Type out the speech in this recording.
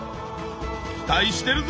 期待してるぞ！